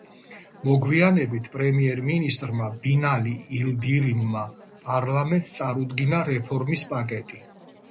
მოგვიანებით, პრემიერ-მინისტრმა ბინალი ილდირიმმა, პარლამენტს წარუდგინა რეფორმის პაკეტი.